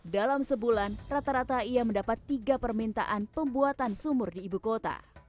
dalam sebulan rata rata ia mendapat tiga permintaan pembuatan sumur di ibu kota